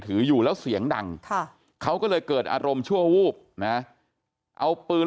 ถืออยู่แล้วเสียงดังเขาก็เลยเกิดอารมณ์ชั่ววูบนะเอาปืน